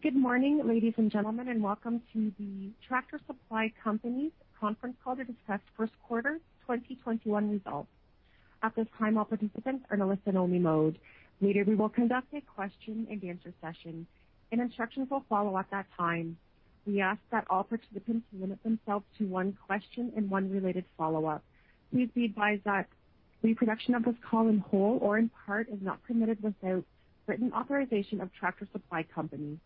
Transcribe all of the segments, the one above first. Good morning, ladies and gentlemen, and welcome to the Tractor Supply Company's conference call to discuss first quarter 2021 results. At this time, all participants are in a listen only mode. Later, we will conduct a question and answer session, and instructions will follow at that time. We ask that all participants limit themselves to one question and one related follow-up. Please be advised that reproduction of this call in whole or in part is not permitted without written authorization of Tractor Supply Company.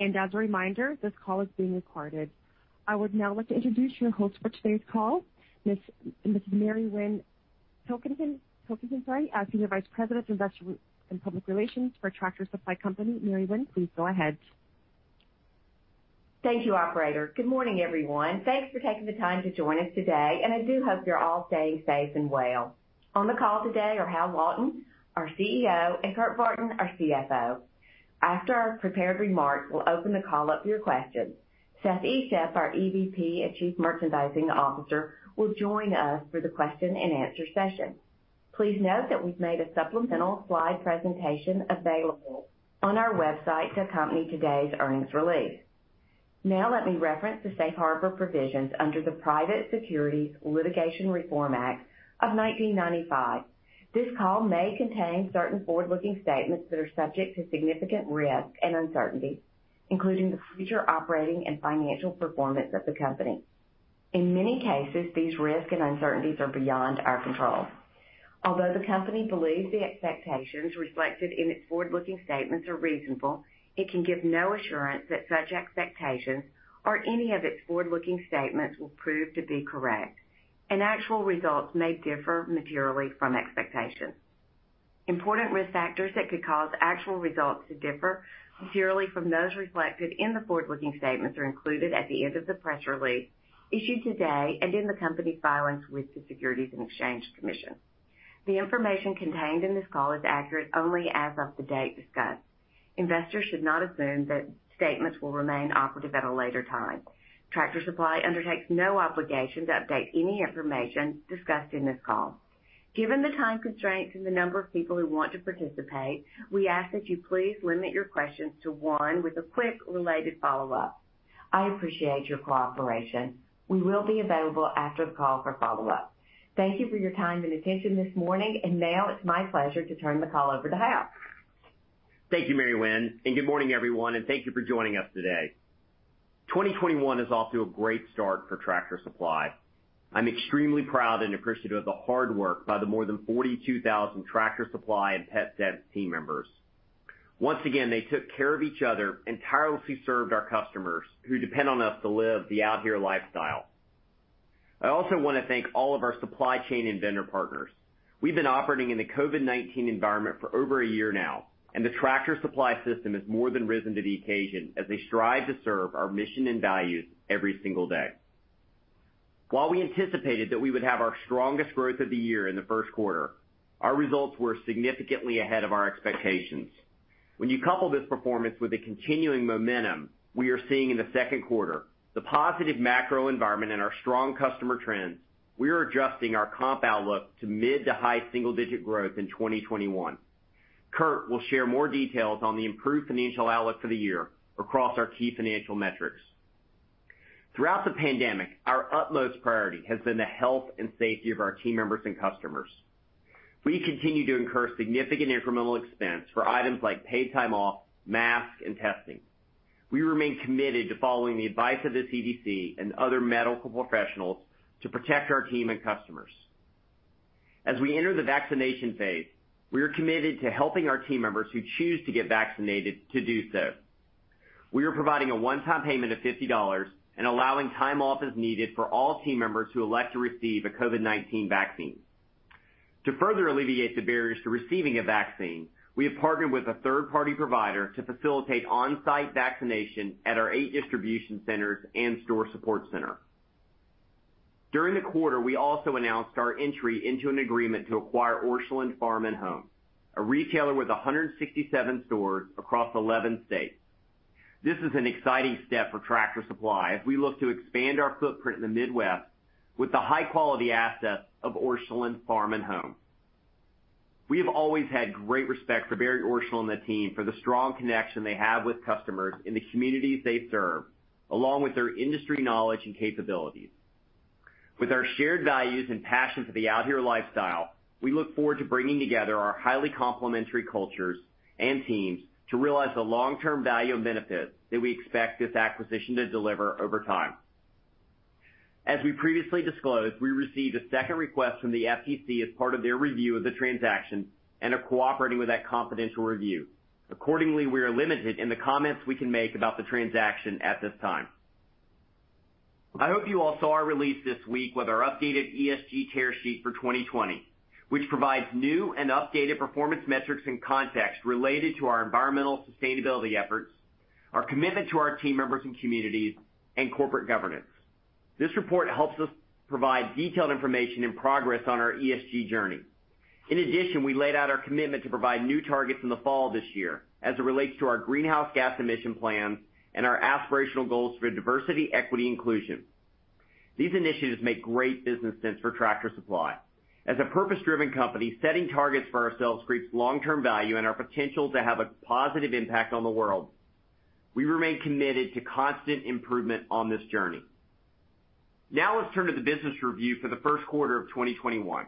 As a reminder, this call is being recorded. I would now like to introduce your host for today's call, Ms. Mary Winn Pilkington, Senior Vice President, Investor and Public Relations for Tractor Supply Company. Mary Winn, please go ahead. Thank you, operator. Good morning, everyone. Thanks for taking the time to join us today, and I do hope you're all staying safe and well. On the call today are Hal Lawton, our CEO, and Kurt Barton, our CFO. After our prepared remarks, we'll open the call up to your questions. Seth Estep, our EVP and Chief Merchandising Officer, will join us for the question and answer session. Please note that we've made a supplemental slide presentation available on our website to accompany today's earnings release. Let me reference the safe harbor provisions under the Private Securities Litigation Reform Act of 1995. This call may contain certain forward-looking statements that are subject to significant risks and uncertainties, including the future operating and financial performance of the company. In many cases, these risks and uncertainties are beyond our control. Although the company believes the expectations reflected in its forward-looking statements are reasonable, it can give no assurance that such expectations or any of its forward-looking statements will prove to be correct, and actual results may differ materially from expectations. Important risk factors that could cause actual results to differ materially from those reflected in the forward-looking statements are included at the end of the press release issued today and in the company's filings with the Securities and Exchange Commission. The information contained in this call is accurate only as of the date discussed. Investors should not assume that statements will remain operative at a later time. Tractor Supply undertakes no obligation to update any information discussed in this call. Given the time constraints and the number of people who want to participate, we ask that you please limit your questions to one with a quick related follow-up. I appreciate your cooperation. We will be available after the call for follow-up. Thank you for your time and attention this morning, and now it's my pleasure to turn the call over to Hal. Thank you, Mary Winn, and good morning, everyone, and thank you for joining us today. 2021 is off to a great start for Tractor Supply. I'm extremely proud and appreciative of the hard work by the more than 42,000 Tractor Supply and Petsense team members. Once again, they took care of each other and tirelessly served our customers who depend on us to live the Out Here lifestyle. I also want to thank all of our supply chain and vendor partners. We've been operating in the COVID-19 environment for over a year now, and the Tractor Supply system has more than risen to the occasion as they strive to serve our mission and values every single day. While we anticipated that we would have our strongest growth of the year in the first quarter, our results were significantly ahead of our expectations. When you couple this performance with the continuing momentum we are seeing in the second quarter, the positive macro environment, and our strong customer trends, we are adjusting our comp outlook to mid to high single-digit growth in 2021. Kurt will share more details on the improved financial outlook for the year across our key financial metrics. Throughout the pandemic, our utmost priority has been the health and safety of our team members and customers. We continue to incur significant incremental expense for items like paid time off, masks, and testing. We remain committed to following the advice of the CDC and other medical professionals to protect our team and customers. As we enter the vaccination phase, we are committed to helping our team members who choose to get vaccinated to do so. We are providing a one-time payment of $50 and allowing time off as needed for all team members who elect to receive a COVID-19 vaccine. To further alleviate the barriers to receiving a vaccine, we have partnered with a third-party provider to facilitate on-site vaccination at our eight distribution centers and store support center. During the quarter, we also announced our entry into an agreement to acquire Orscheln Farm and Home, a retailer with 167 stores across 11 states. This is an exciting step for Tractor Supply as we look to expand our footprint in the Midwest with the high-quality assets of Orscheln Farm and Home. We have always had great respect for Barry Orscheln and the team for the strong connection they have with customers in the communities they serve, along with their industry knowledge and capabilities. With our shared values and passion for the Out Here lifestyle, we look forward to bringing together our highly complimentary cultures and teams to realize the long-term value and benefits that we expect this acquisition to deliver over time. As we previously disclosed, we received a second request from the FTC as part of their review of the transaction and are cooperating with that confidential review. Accordingly, we are limited in the comments we can make about the transaction at this time. I hope you all saw our release this week with our updated ESG tear sheet for 2020, which provides new and updated performance metrics and context related to our environmental sustainability efforts, our commitment to our team members and communities, and corporate governance. This report helps us provide detailed information and progress on our ESG journey. In addition, we laid out our commitment to provide new targets in the fall this year as it relates to our greenhouse gas emission plans and our aspirational goals for diversity, equity, inclusion. These initiatives make great business sense for Tractor Supply. As a purpose-driven company, setting targets for ourselves creates long-term value and our potential to have a positive impact on the world. We remain committed to constant improvement on this journey. Let's turn to the business review for the first quarter of 2021.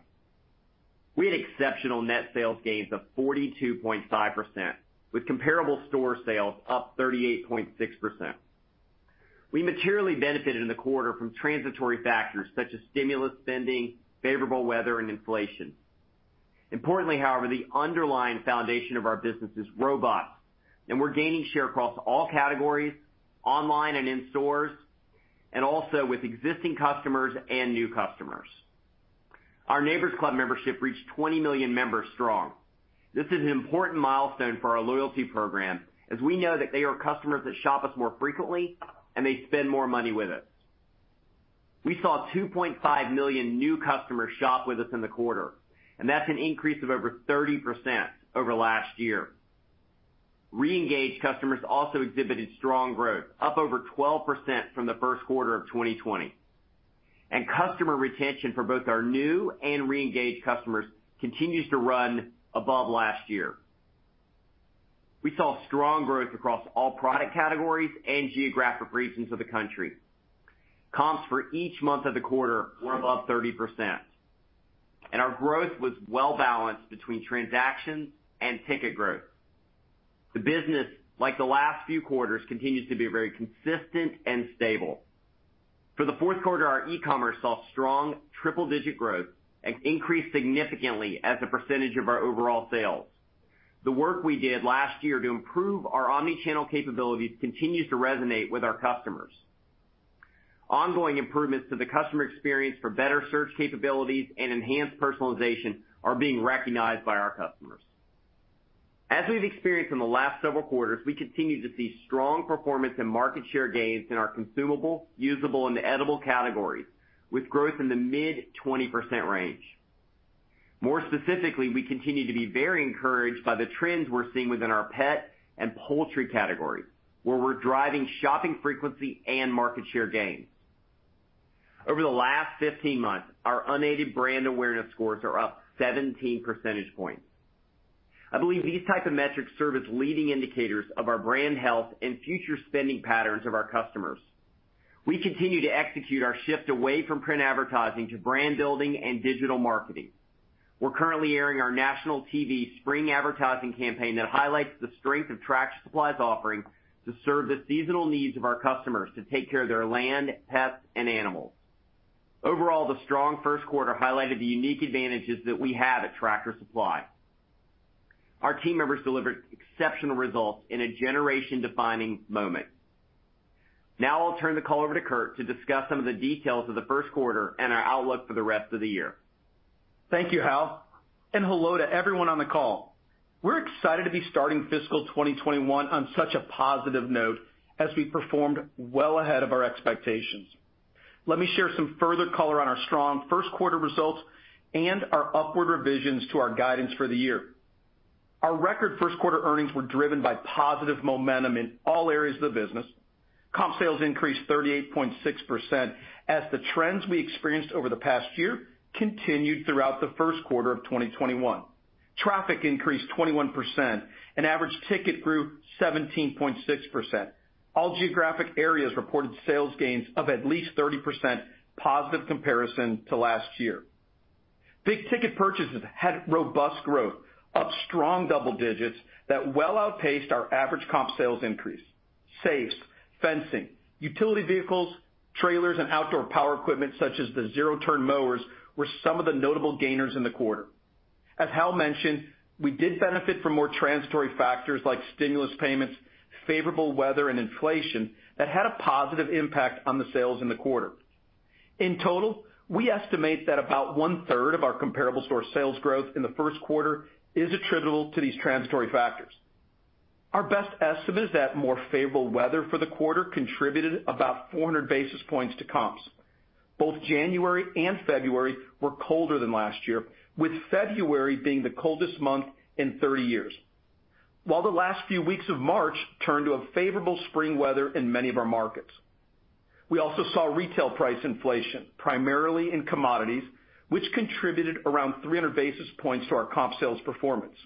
We had exceptional net sales gains of 42.5%, with comparable store sales up 38.6%. We materially benefited in the quarter from transitory factors such as stimulus spending, favorable weather, and inflation. Importantly, however, the underlying foundation of our business is robust, and we're gaining share across all categories, online and in stores, and also with existing customers and new customers. Our Neighbor's Club membership reached 20 million members strong. This is an important milestone for our loyalty program as we know that they are customers that shop us more frequently and they spend more money with us. We saw 2.5 million new customers shop with us in the quarter, that's an increase of over 30% over last year. Re-engaged customers also exhibited strong growth, up over 12% from the first quarter of 2020. Customer retention for both our new and re-engaged customers continues to run above last year. We saw strong growth across all product categories and geographic regions of the country. Comps for each month of the quarter were above 30%, our growth was well-balanced between transactions and ticket growth. The business, like the last few quarters, continues to be very consistent and stable. For the fourth quarter, our e-commerce saw strong triple-digit growth and increased significantly as a percentage of our overall sales. The work we did last year to improve our omni-channel capabilities continues to resonate with our customers. Ongoing improvements to the customer experience for better search capabilities and enhanced personalization are being recognized by our customers. As we've experienced in the last several quarters, we continue to see strong performance and market share gains in our consumable, usable, and edible categories, with growth in the mid-20% range. More specifically, we continue to be very encouraged by the trends we're seeing within our pet and poultry category, where we're driving shopping frequency and market share gains. Over the last 15 months, our unaided brand awareness scores are up 17 percentage points. I believe these type of metrics serve as leading indicators of our brand health and future spending patterns of our customers. We continue to execute our shift away from print advertising to brand building and digital marketing. We're currently airing our national TV spring advertising campaign that highlights the strength of Tractor Supply's offering to serve the seasonal needs of our customers to take care of their land, pets, and animals. Overall, the strong first quarter highlighted the unique advantages that we have at Tractor Supply. Our team members delivered exceptional results in a generation-defining moment. Now I'll turn the call over to Kurt to discuss some of the details of the first quarter and our outlook for the rest of the year. Thank you, Hal, and hello to everyone on the call. We're excited to be starting fiscal 2021 on such a positive note as we performed well ahead of our expectations. Let me share some further color on our strong first quarter results and our upward revisions to our guidance for the year. Our record first quarter earnings were driven by positive momentum in all areas of the business. Comp sales increased 38.6% as the trends we experienced over the past year continued throughout the first quarter of 2021. Traffic increased 21%, and average ticket grew 17.6%. All geographic areas reported sales gains of at least 30% positive comparison to last year. Big-ticket purchases had robust growth, up strong double digits that well outpaced our average comp sales increase. Safes, fencing, utility vehicles, trailers, and outdoor power equipment such as the zero-turn mowers were some of the notable gainers in the quarter. As Hal mentioned, we did benefit from more transitory factors like stimulus payments, favorable weather, and inflation that had a positive impact on the sales in the quarter. In total, we estimate that about one-third of our comparable store sales growth in the first quarter is attributable to these transitory factors. Our best estimate is that more favorable weather for the quarter contributed about 400 basis points to comps. Both January and February were colder than last year, with February being the coldest month in 30 years. The last few weeks of March turned to a favorable spring weather in many of our markets. We also saw retail price inflation, primarily in commodities, which contributed around 300 basis points to our comp sales performance.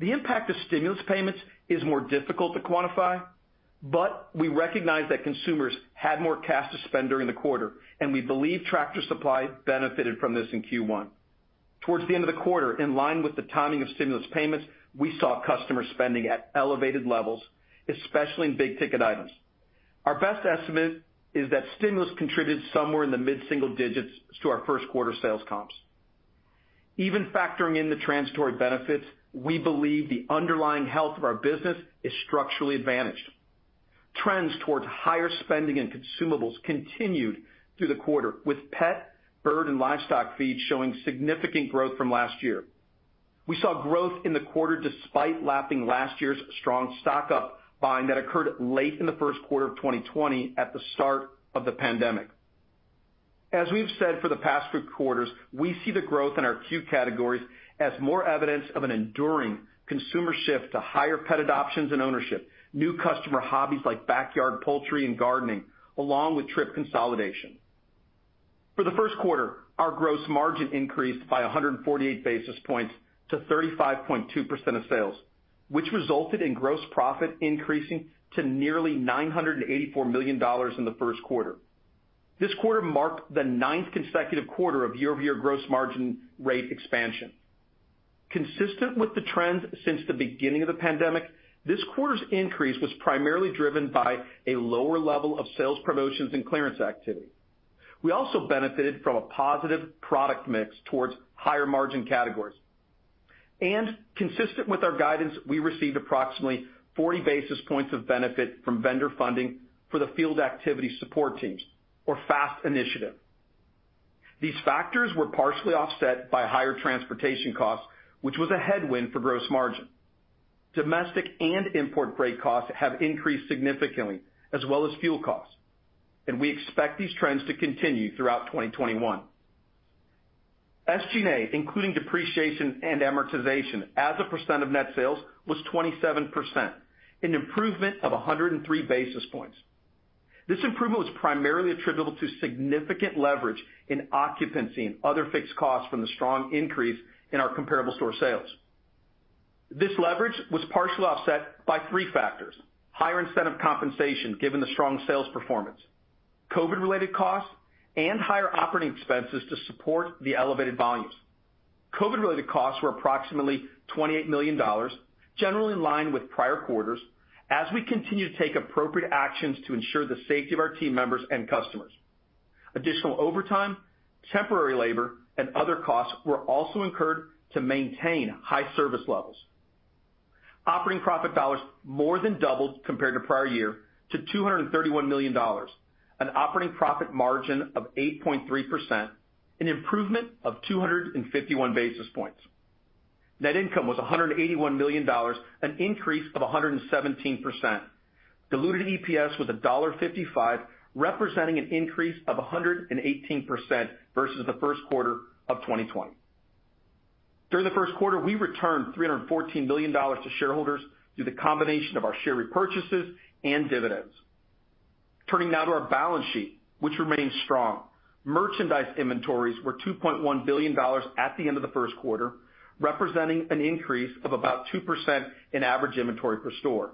The impact of stimulus payments is more difficult to quantify, but we recognize that consumers had more cash to spend during the quarter, and we believe Tractor Supply benefited from this in Q1. Towards the end of the quarter, in line with the timing of stimulus payments, we saw customer spending at elevated levels, especially in big-ticket items. Our best estimate is that stimulus contributed somewhere in the mid-single digits to our first quarter sales comps. Even factoring in the transitory benefits, we believe the underlying health of our business is structurally advantaged. Trends towards higher spending and consumables continued through the quarter, with pet, bird, and livestock feed showing significant growth from last year. We saw growth in the quarter despite lapping last year's strong stock-up buying that occurred late in the first quarter of 2020 at the start of the pandemic. As we've said for the past few quarters, we see the growth in our CUE categories as more evidence of an enduring consumer shift to higher pet adoptions and ownership, new customer hobbies like backyard poultry and gardening, along with trip consolidation. For the first quarter, our gross margin increased by 148 basis points to 35.2% of sales, which resulted in gross profit increasing to nearly $984 million in the first quarter. This quarter marked the ninth consecutive quarter of year-over-year gross margin rate expansion. Consistent with the trends since the beginning of the pandemic, this quarter's increase was primarily driven by a lower level of sales promotions and clearance activity. We also benefited from a positive product mix towards higher margin categories. Consistent with our guidance, we received approximately 40 basis points of benefit from vendor funding for the Field Activity Support Teams, or FAST initiative. These factors were partially offset by higher transportation costs, which was a headwind for gross margin. Domestic and import freight costs have increased significantly, as well as fuel costs, and we expect these trends to continue throughout 2021. SG&A, including depreciation and amortization as a percent of net sales, was 27%, an improvement of 103 basis points. This improvement was primarily attributable to significant leverage in occupancy and other fixed costs from the strong increase in our comparable store sales. This leverage was partially offset by three factors, higher incentive compensation given the strong sales performance, COVID-19 related costs, and higher operating expenses to support the elevated volumes. COVID-19 related costs were approximately $28 million, generally in line with prior quarters, as we continue to take appropriate actions to ensure the safety of our team members and customers. Additional overtime, temporary labor, and other costs were also incurred to maintain high service levels. Operating profit dollars more than doubled compared to prior year to $231 million, an operating profit margin of 8.3%, an improvement of 251 basis points. Net income was $181 million, an increase of 117%. Diluted EPS was $1.55, representing an increase of 118% versus the first quarter of 2020. During the first quarter, we returned $314 million to shareholders through the combination of our share repurchases and dividends. Turning now to our balance sheet, which remains strong. Merchandise inventories were $2.1 billion at the end of the first quarter, representing an increase of about 2% in average inventory per store.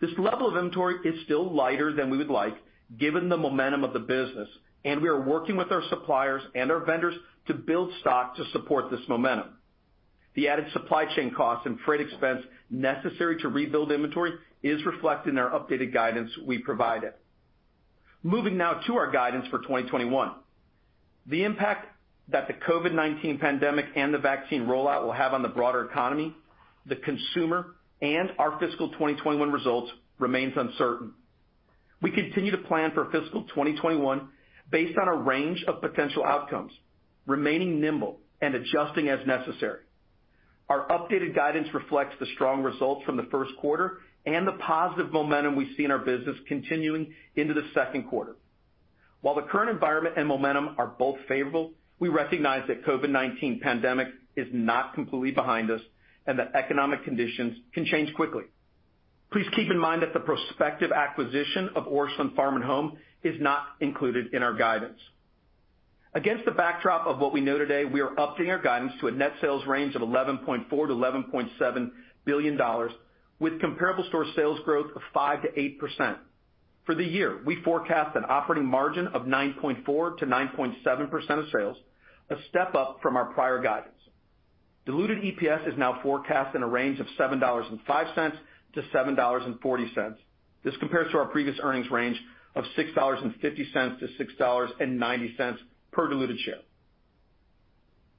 This level of inventory is still lighter than we would like given the momentum of the business, and we are working with our suppliers and our vendors to build stock to support this momentum. The added supply chain costs and freight expense necessary to rebuild inventory is reflected in our updated guidance we provided. Moving now to our guidance for 2021. The impact that the COVID-19 pandemic and the vaccine rollout will have on the broader economy, the consumer, and our fiscal 2021 results remains uncertain. We continue to plan for fiscal 2021 based on a range of potential outcomes, remaining nimble and adjusting as necessary. Our updated guidance reflects the strong results from the first quarter and the positive momentum we see in our business continuing into the second quarter. While the current environment and momentum are both favorable, we recognize that COVID-19 pandemic is not completely behind us and that economic conditions can change quickly. Please keep in mind that the prospective acquisition of Orscheln Farm and Home is not included in our guidance. Against the backdrop of what we know today, we are updating our guidance to a net sales range of $11.4 billion-$11.7 billion with comparable store sales growth of 5%-8%. For the year, we forecast an operating margin of 9.4%-9.7% of sales, a step up from our prior guidance. Diluted EPS is now forecast in a range of $7.05-$7.40. This compares to our previous earnings range of $6.50-$6.90 per diluted share.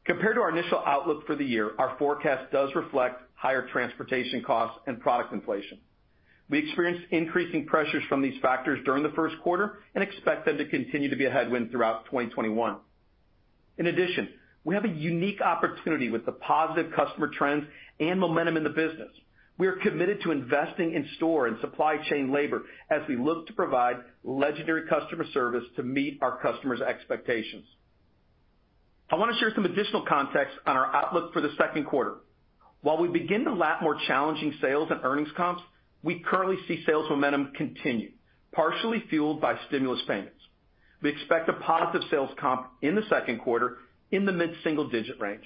Compared to our initial outlook for the year, our forecast does reflect higher transportation costs and product inflation. We experienced increasing pressures from these factors during the first quarter and expect them to continue to be a headwind throughout 2021. In addition, we have a unique opportunity with the positive customer trends and momentum in the business. We are committed to investing in store and supply chain labor as we look to provide legendary customer service to meet our customers' expectations. I want to share some additional context on our outlook for the second quarter. While we begin to lap more challenging sales and earnings comps, we currently see sales momentum continue, partially fueled by stimulus payments. We expect a positive sales comp in the second quarter in the mid-single digit range.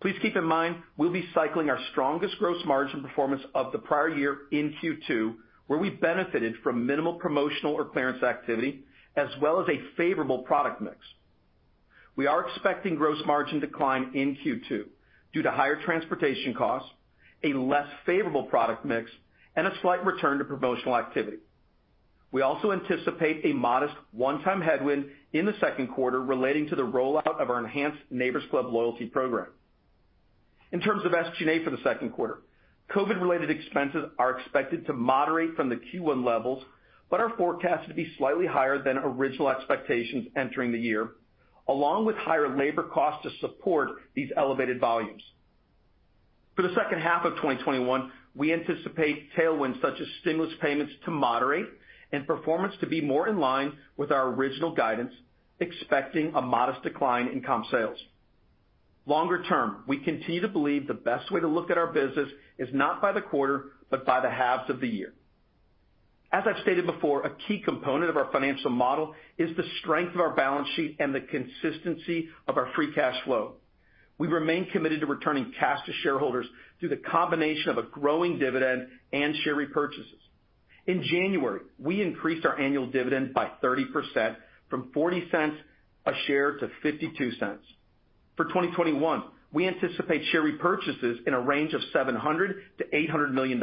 Please keep in mind, we'll be cycling our strongest gross margin performance of the prior year in Q2, where we benefited from minimal promotional or clearance activity, as well as a favorable product mix. We are expecting gross margin decline in Q2 due to higher transportation costs, a less favorable product mix, and a slight return to promotional activity. We also anticipate a modest one-time headwind in the second quarter relating to the rollout of our enhanced Neighbor's Club loyalty program. In terms of SG&A for the second quarter, COVID related expenses are expected to moderate from the Q1 levels, but are forecasted to be slightly higher than original expectations entering the year, along with higher labor costs to support these elevated volumes. For the second half of 2021, we anticipate tailwinds such as stimulus payments to moderate and performance to be more in line with our original guidance, expecting a modest decline in comp sales. Longer term, we continue to believe the best way to look at our business is not by the quarter, but by the halves of the year. As I've stated before, a key component of our financial model is the strength of our balance sheet and the consistency of our free cash flow. We remain committed to returning cash to shareholders through the combination of a growing dividend and share repurchases. In January, we increased our annual dividend by 30%, from $0.40 a share to $0.52. For 2021, we anticipate share repurchases in a range of $700 million-$800 million.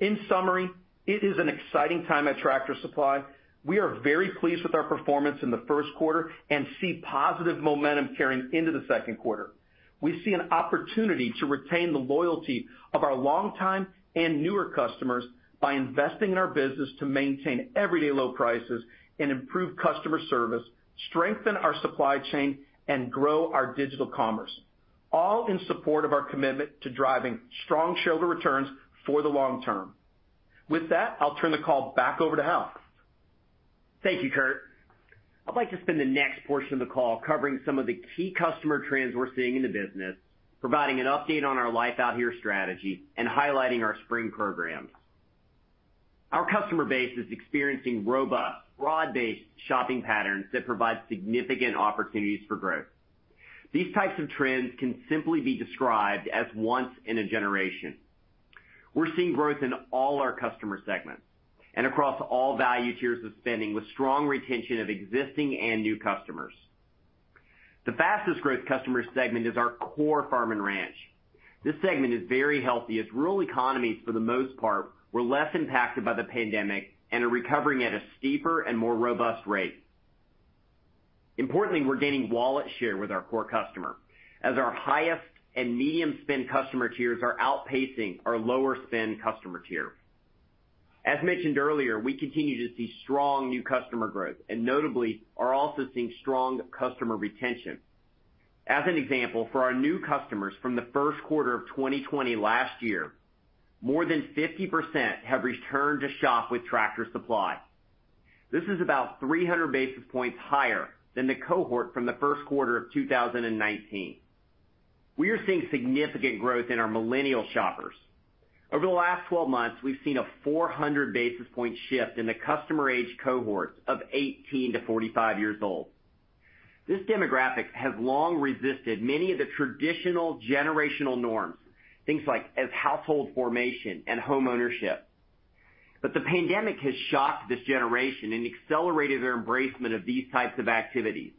In summary, it is an exciting time at Tractor Supply. We are very pleased with our performance in the first quarter and see positive momentum carrying into the second quarter. We see an opportunity to retain the loyalty of our longtime and newer customers by investing in our business to maintain everyday low prices and improve customer service, strengthen our supply chain, and grow our digital commerce, all in support of our commitment to driving strong shareholder returns for the long term. I'll turn the call back over to Hal. Thank you, Kurt. I'd like to spend the next portion of the call covering some of the key customer trends we're seeing in the business, providing an update on our Life Out Here strategy and highlighting our spring programs. Our customer base is experiencing robust, broad-based shopping patterns that provide significant opportunities for growth. These types of trends can simply be described as once in a generation. We're seeing growth in all our customer segments and across all value tiers of spending, with strong retention of existing and new customers. The fastest growth customer segment is our core farm and ranch. This segment is very healthy as rural economies, for the most part, were less impacted by the pandemic and are recovering at a steeper and more robust rate. Importantly, we're gaining wallet share with our core customer as our highest and medium spend customer tiers are outpacing our lower spend customer tier. As mentioned earlier, we continue to see strong new customer growth and notably are also seeing strong customer retention. As an example, for our new customers from the first quarter of 2020 last year, more than 50% have returned to shop with Tractor Supply. This is about 300 basis points higher than the cohort from the first quarter of 2019. We are seeing significant growth in our millennial shoppers. Over the last 12 months, we've seen a 400 basis point shift in the customer age cohorts of 18 to 45 years old. The pandemic has shocked this generation and accelerated their embracement of these types of activities.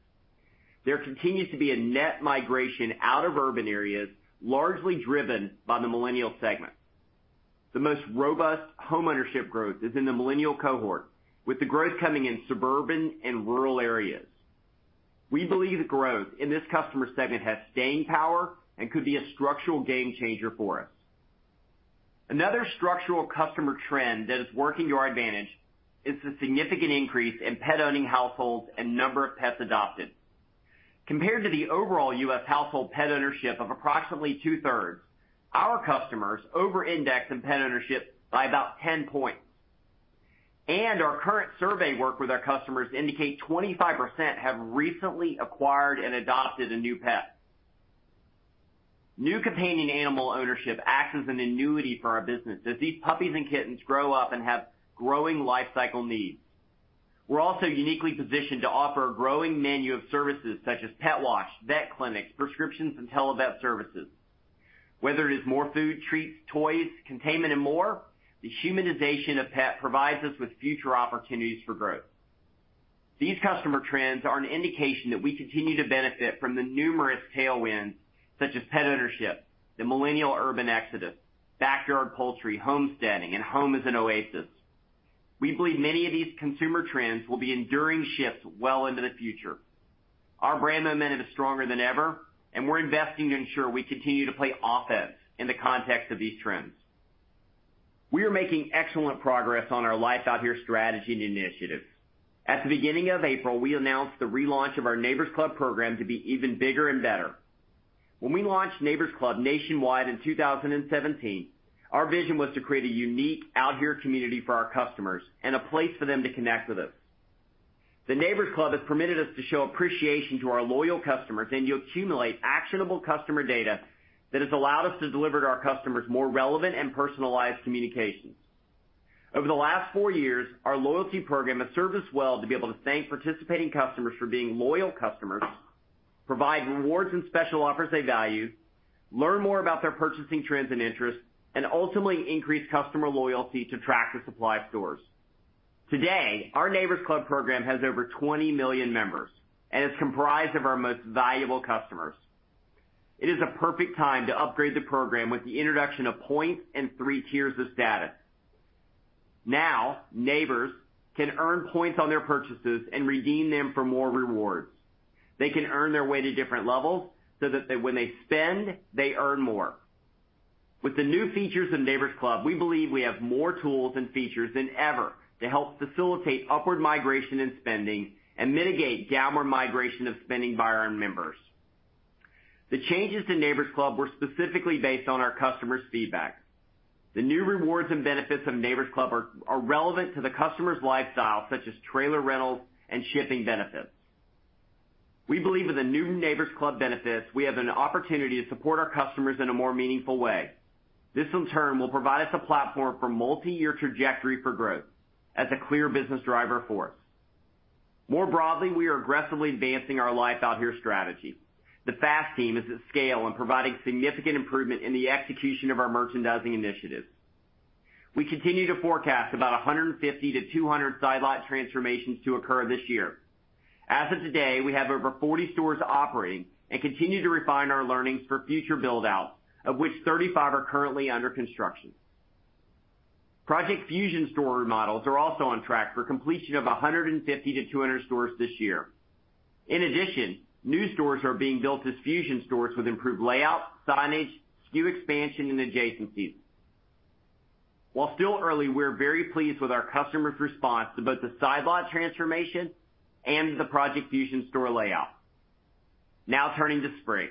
There continues to be a net migration out of urban areas, largely driven by the millennial segment. The most robust homeownership growth is in the millennial cohort, with the growth coming in suburban and rural areas. We believe the growth in this customer segment has staying power and could be a structural game changer for us. Another structural customer trend that is working to our advantage is the significant increase in pet-owning households and number of pets adopted. Compared to the overall U.S. household pet ownership of approximately two-thirds, our customers over-index in pet ownership by about 10 points. Our current survey work with our customers indicate 25% have recently acquired and adopted a new pet. New companion animal ownership acts as an annuity for our business as these puppies and kittens grow up and have growing lifecycle needs. We're also uniquely positioned to offer a growing menu of services such as pet wash, vet clinics, prescriptions, and televet services. Whether it is more food, treats, toys, containment, and more, the humanization of pet provides us with future opportunities for growth. These customer trends are an indication that we continue to benefit from the numerous tailwinds such as pet ownership, the millennial urban exodus, backyard poultry, homesteading, and home as an oasis. We believe many of these consumer trends will be enduring shifts well into the future. Our brand momentum is stronger than ever, and we're investing to ensure we continue to play offense in the context of these trends. We are making excellent progress on our Life Out Here strategy and initiatives. At the beginning of April, we announced the relaunch of our Neighbor's Club program to be even bigger and better. When we launched Neighbor's Club nationwide in 2017, our vision was to create a unique Out Here community for our customers and a place for them to connect with us. The Neighbor's Club has permitted us to show appreciation to our loyal customers and to accumulate actionable customer data that has allowed us to deliver to our customers more relevant and personalized communications. Over the last four years, our loyalty program has served us well to be able to thank participating customers for being loyal customers, provide rewards and special offers they value, learn more about their purchasing trends and interests, and ultimately increase customer loyalty to Tractor Supply stores. Today, our Neighbor's Club program has over 20 million members and is comprised of our most valuable customers. It is a perfect time to upgrade the program with the introduction of points and 3 tiers of status. Neighbors can earn points on their purchases and redeem them for more rewards. They can earn their way to different levels so that when they spend, they earn more. With the new features in Neighbor's Club, we believe we have more tools and features than ever to help facilitate upward migration and spending and mitigate downward migration of spending by our members. The changes to Neighbor's Club were specifically based on our customers' feedback. The new rewards and benefits of Neighbor's Club are relevant to the customer's lifestyle, such as trailer rentals and shipping benefits. We believe with the new Neighbor's Club benefits, we have an opportunity to support our customers in a more meaningful way. This in turn, will provide us a platform for multi-year trajectory for growth as a clear business driver for us. More broadly, we are aggressively advancing our Life Out Here strategy. The FAST team is at scale and providing significant improvement in the execution of our merchandising initiatives. We continue to forecast about 150 to 200 Side Lot transformations to occur this year. As of today, we have over 40 stores operating and continue to refine our learnings for future build-outs, of which 35 are currently under construction. Project Fusion store remodels are also on track for completion of 150 to 200 stores this year. New stores are being built as Fusion stores with improved layout, signage, SKU expansion, and adjacencies. While still early, we're very pleased with our customers' response to both the Side Lot transformation and the Project Fusion store layout. Now turning to spring.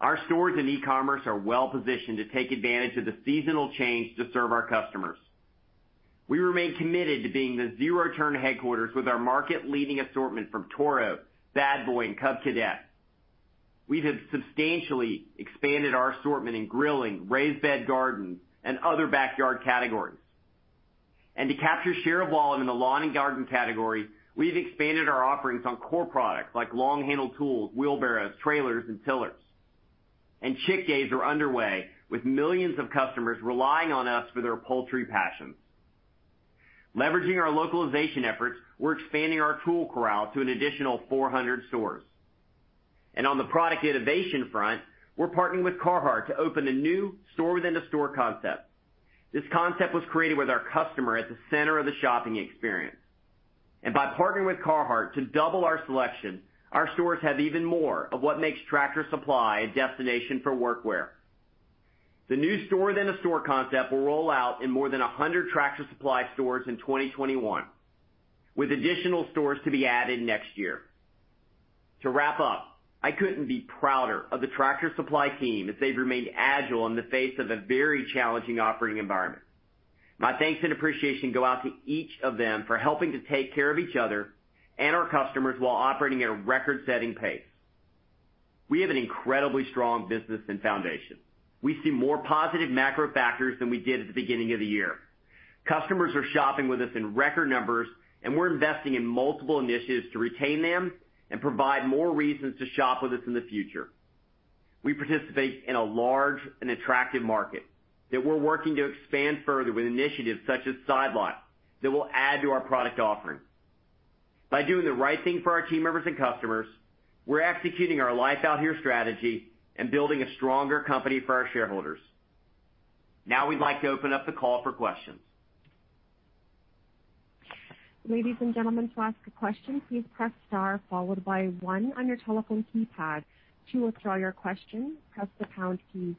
Our stores and e-commerce are well-positioned to take advantage of the seasonal change to serve our customers. We remain committed to being the zero-turn headquarters with our market-leading assortment from Toro, Bad Boy, and Cub Cadet. We have substantially expanded our assortment in grilling, raised bed gardens, and other backyard categories. To capture share of wallet in the lawn and garden category, we've expanded our offerings on core products like long-handled tools, wheelbarrows, trailers, and tillers. Chick Days are underway with millions of customers relying on us for their poultry passions. Leveraging our localization efforts, we're expanding our Tool Corral to an additional 400 stores. On the product innovation front, we're partnering with Carhartt to open a new store-within-a-store concept. This concept was created with our customer at the center of the shopping experience. By partnering with Carhartt to double our selection, our stores have even more of what makes Tractor Supply a destination for workwear. The new store-within-a-store concept will roll out in more than 100 Tractor Supply stores in 2021, with additional stores to be added next year. To wrap up, I couldn't be prouder of the Tractor Supply team as they've remained agile in the face of a very challenging operating environment. My thanks and appreciation go out to each of them for helping to take care of each other and our customers while operating at a record-setting pace. We have an incredibly strong business and foundation. We see more positive macro factors than we did at the beginning of the year. Customers are shopping with us in record numbers, and we're investing in multiple initiatives to retain them and provide more reasons to shop with us in the future. We participate in a large and attractive market that we're working to expand further with initiatives such as Side Lot that will add to our product offerings. By doing the right thing for our team members and customers, we're executing our Life Out Here strategy and building a stronger company for our shareholders. Now we'd like to open up the call for questions. Ladies and gentlemen, to ask a question, please press star followed by one on your telephone keypad. To withdraw your question, press the pound key.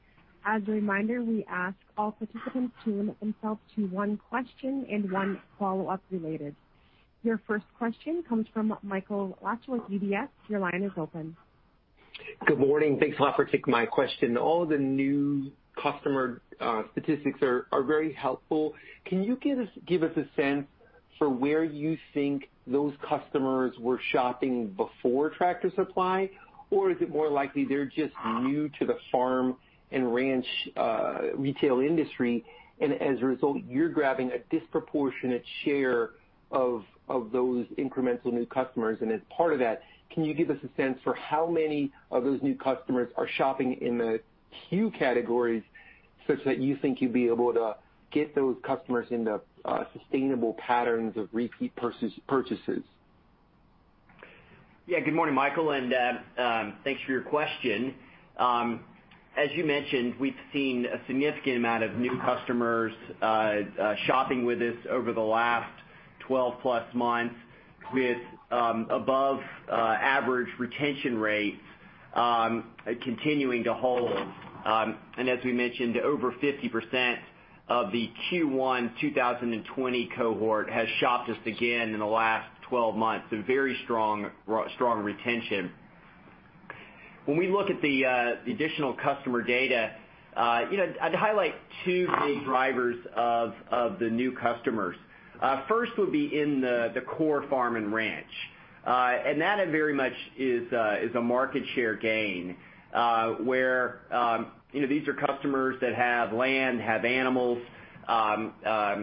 As a reminder, we ask all participants to limit themselves to one question and one follow-up related. Your first question comes from Michael Lasser, UBS. Your line is open. Good morning. Thanks a lot for taking my question. All the new customer statistics are very helpful. Can you give us a sense for where you think those customers were shopping before Tractor Supply? Or is it more likely they're just new to the farm and ranch retail industry, and as a result, you're grabbing a disproportionate share of those incremental new customers? As part of that, can you give us a sense for how many of those new customers are shopping in the CUE categories, such that you think you'd be able to get those customers into sustainable patterns of repeat purchases? Yeah. Good morning, Michael, and thanks for your question. As you mentioned, we've seen a significant amount of new customers shopping with us over the last 12 plus months with above average retention rates continuing to hold. As we mentioned, over 50% of the Q1 2020 cohort has shopped us again in the last 12 months. A very strong retention. When we look at the additional customer data, I'd highlight two big drivers of the new customers. First would be in the core farm and ranch. That very much is a market share gain, where these are customers that have land, have animals, our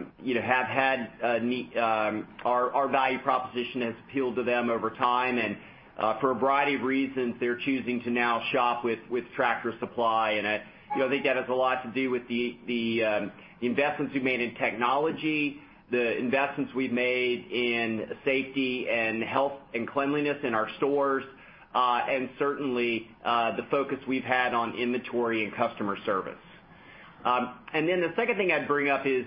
value proposition has appealed to them over time, and for a variety of reasons, they're choosing to now shop with Tractor Supply. I think that has a lot to do with the investments we've made in technology, the investments we've made in safety and health and cleanliness in our stores, and certainly, the focus we've had on inventory and customer service. The second thing I'd bring up is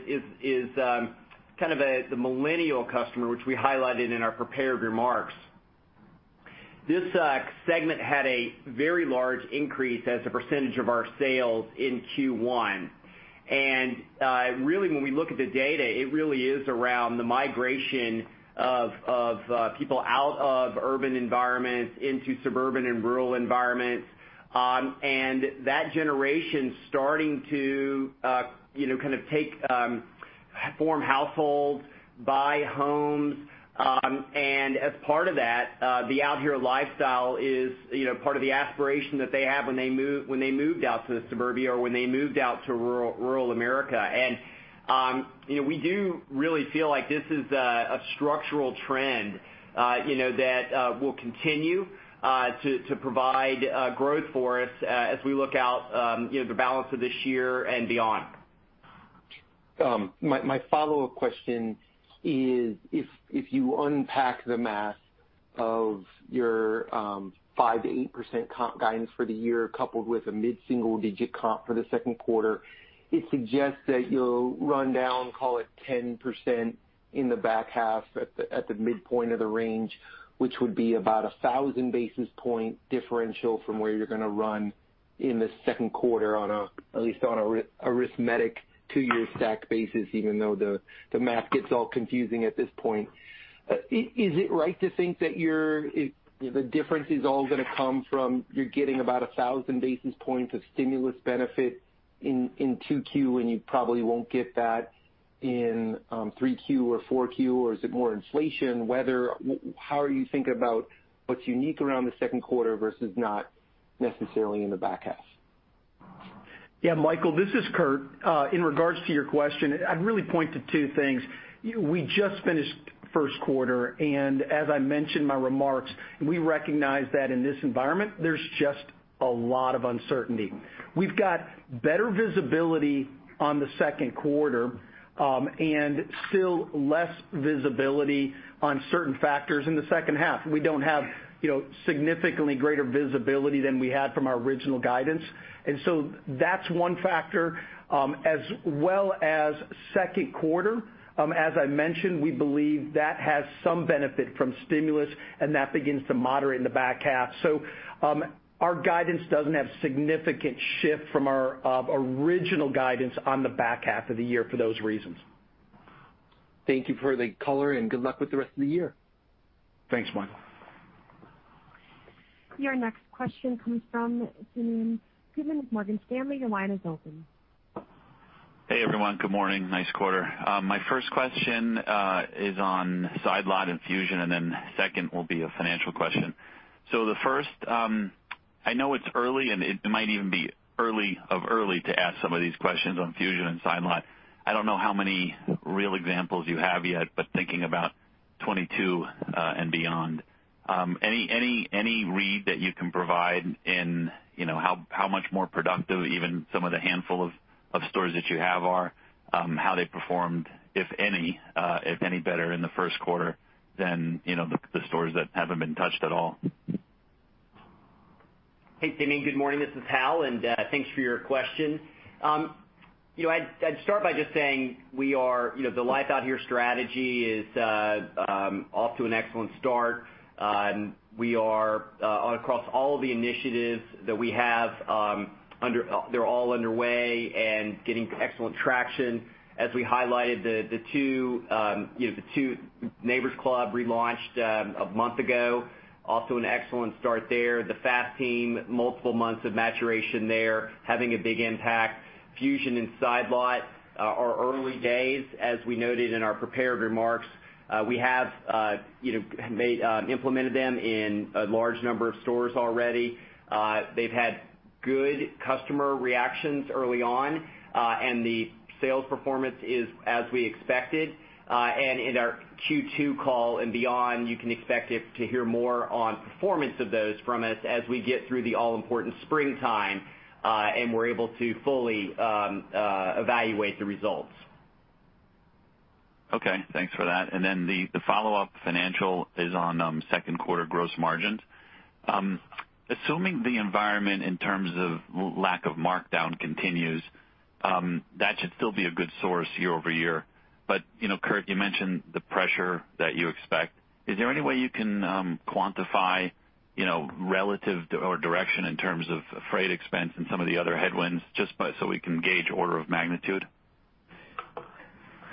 kind of the millennial customer, which we highlighted in our prepared remarks. This segment had a very large increase as a percentage of our sales in Q1. Really when we look at the data, it really is around the migration of people out of urban environments into suburban and rural environments. That generation's starting to form households, buy homes. As part of that, the Out Here lifestyle is part of the aspiration that they have when they moved out to the suburbia or when they moved out to rural America. We do really feel like this is a structural trend that will continue to provide growth for us as we look out the balance of this year and beyond. My follow-up question is, if you unpack the math of your 5%-8% comp guidance for the year, coupled with a mid-single digit comp for the second quarter, it suggests that you'll run down, call it 10% in the back half at the midpoint of the range, which would be about 1,000 basis point differential from where you're going to run in the second quarter on at least on an arithmetic two-year stack basis, even though the math gets all confusing at this point. Is it right to think that the difference is all going to come from, you're getting about 1,000 basis points of stimulus benefit in 2Q, and you probably won't get that in 3Q or 4Q, or is it more inflation, weather? How are you thinking about what's unique around the second quarter versus not necessarily in the back half? Yeah, Michael, this is Kurt. In regards to your question, I'd really point to two things. We just finished first quarter, and as I mentioned in my remarks, we recognize that in this environment, there's just a lot of uncertainty. We've got better visibility on the second quarter, and still less visibility on certain factors in the second half. We don't have significantly greater visibility than we had from our original guidance. That's one factor, as well as second quarter, as I mentioned, we believe that has some benefit from stimulus and that begins to moderate in the back half. Our guidance doesn't have significant shift from our original guidance on the back half of the year for those reasons. Thank you for the color and good luck with the rest of the year. Thanks, Michael. Your next question comes from Simeon Gutman with Morgan Stanley. Your line is open. Hey, everyone. Good morning. Nice quarter. My first question is on Side Lot and Project Fusion, and then second will be a financial question. The first, I know it's early and it might even be early of early to ask some of these questions on Project Fusion and Side Lot. I don't know how many real examples you have yet, but thinking about 2022 and beyond. Any read that you can provide in how much more productive even some of the handful of stores that you have are, how they performed, if any better in the first quarter than the stores that haven't been touched at all? Hey, Simeon. Good morning. This is Hal, thanks for your question. I'd start by just saying the Life Out Here strategy is off to an excellent start. Across all of the initiatives that we have, they're all underway and getting excellent traction. As we highlighted, the two Neighbor's Club relaunched a month ago. An excellent start there. The FAST team, multiple months of maturation there, having a big impact. Fusion and Side Lot are early days, as we noted in our prepared remarks. We have implemented them in a large number of stores already. They've had good customer reactions early on, and the sales performance is as we expected. In our Q2 call and beyond, you can expect to hear more on performance of those from us as we get through the all-important springtime, and we're able to fully evaluate the results. Okay, thanks for that. The follow-up financial is on second quarter gross margins. Assuming the environment in terms of lack of markdown continues, that should still be a good source year-over-year. Kurt, you mentioned the pressure that you expect. Is there any way you can quantify relative or direction in terms of freight expense and some of the other headwinds, just so we can gauge order of magnitude?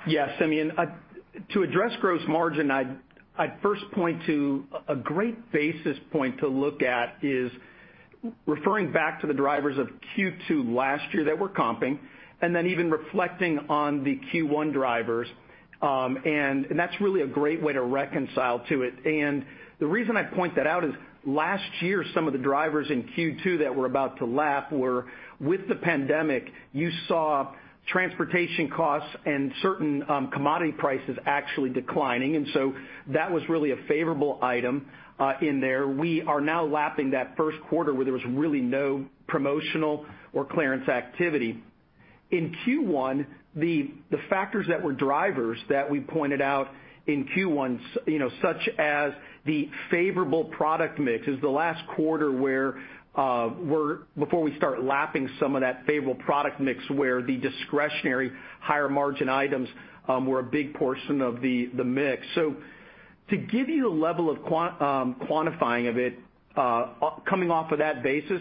Yes, Simeon. To address gross margin, I'd first point to a great basis point to look at is referring back to the drivers of Q2 last year that we're comping, then even reflecting on the Q1 drivers. That's really a great way to reconcile to it. The reason I point that out is last year, some of the drivers in Q2 that we're about to lap were with the pandemic, you saw transportation costs and certain commodity prices actually declining. So that was really a favorable item in there. We are now lapping that first quarter where there was really no promotional or clearance activity. In Q1, the factors that were drivers that we pointed out in Q1, such as the favorable product mix, is the last quarter before we start lapping some of that favorable product mix where the discretionary higher margin items were a big portion of the mix. To give you the level of quantifying of it coming off of that basis,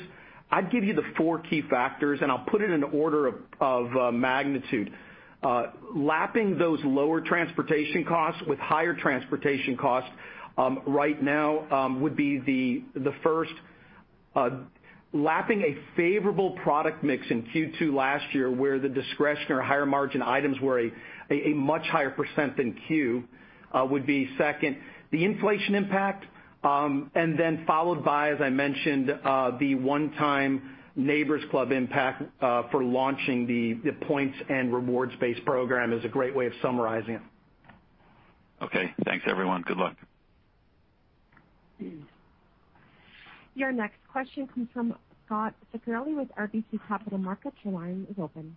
I'd give you the four key factors, and I'll put it in order of magnitude. Lapping those lower transportation costs with higher transportation costs right now would be the first. Lapping a favorable product mix in Q2 last year, where the discretionary higher margin items were a much higher percentage than CUE would be second. The inflation impact, followed by, as I mentioned, the one-time Neighbor's Club impact for launching the points and rewards-based program is a great way of summarizing it. Okay. Thanks, everyone. Good luck. Your next question comes from Scot Ciccarelli with RBC Capital Markets. Your line is open.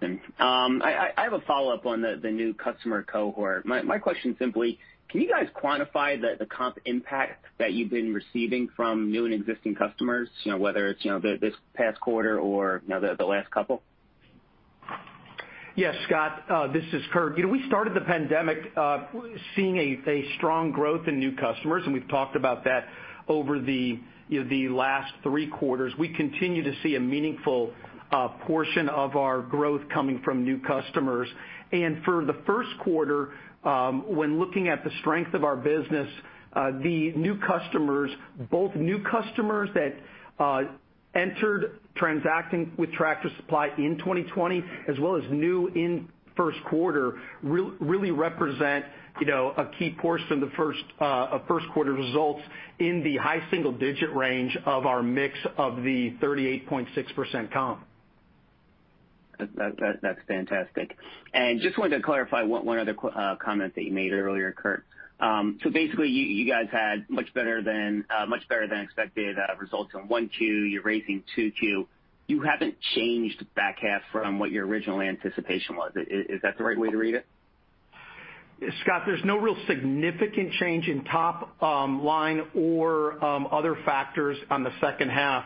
Thanks. I have a follow-up on the new customer cohort. My question is simply, can you guys quantify the comp impact that you've been receiving from new and existing customers? Whether it's this past quarter or the last couple? Yes, Scot. This is Kurt. We started the pandemic seeing a strong growth in new customers. We've talked about that over the last three quarters. We continue to see a meaningful portion of our growth coming from new customers. For the first quarter, when looking at the strength of our business, the new customers, both new customers that entered transacting with Tractor Supply in 2020 as well as new in first quarter, really represent a key portion of first quarter results in the high single-digit range of our mix of the 38.6% comp. That's fantastic. Just wanted to clarify one other comment that you made earlier, Kurt. Basically, you guys had much better than expected results on Q1. You're raising Q2. You haven't changed the back half from what your original anticipation was. Is that the right way to read it? Scot, there's no real significant change in top line or other factors on the second half.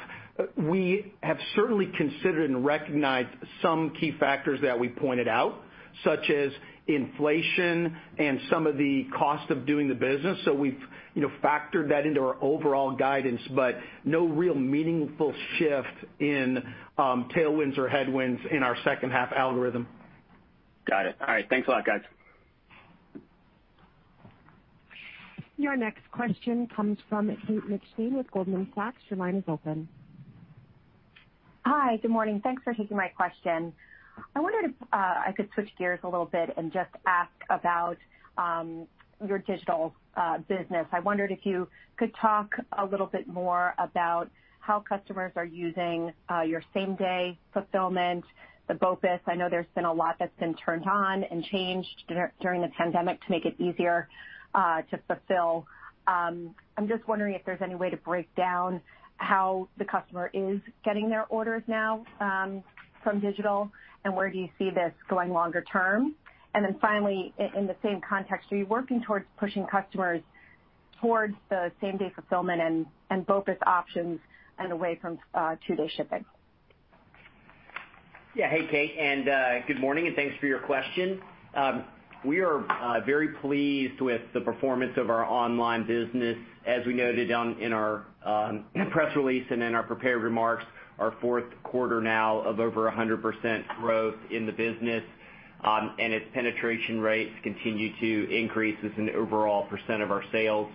We have certainly considered and recognized some key factors that we pointed out, such as inflation and some of the cost of doing the business. We've factored that into our overall guidance, but no real meaningful shift in tailwinds or headwinds in our second half algorithm. Got it. All right. Thanks a lot, guys. Your next question comes from Kate McShane with Goldman Sachs. Your line is open. Hi. Good morning. Thanks for taking my question. I wondered if I could switch gears a little bit and just ask about your digital business. I wondered if you could talk a little bit more about how customers are using your same-day fulfillment, the BOPUS. I know there's been a lot that's been turned on and changed during the pandemic to make it easier to fulfill. I'm just wondering if there's any way to break down how the customer is getting their orders now from digital, where do you see this going longer term? Finally, in the same context, are you working towards pushing customers towards the same-day fulfillment and BOPUS options and away from two-day shipping? Hey, Kate, good morning, and thanks for your question. We are very pleased with the performance of our online business. As we noted in our press release and in our prepared remarks, our fourth quarter now of over 100% growth in the business, its penetration rates continue to increase as an overall % of our sales.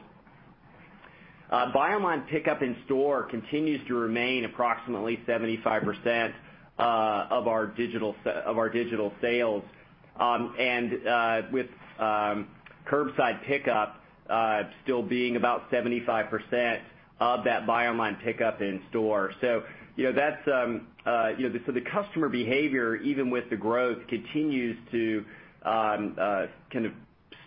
Buy online, pickup in store continues to remain approximately 75% of our digital sales, with curbside pickup still being about 75% of that Buy online, pickup in store. The customer behavior, even with the growth, continues to kind of